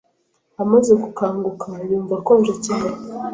Amaze gukanguka, yumva akonje cyane.